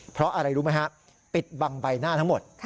เพราะอะไรรู้ไหมฮะปิดบังใบหน้าทั้งหมด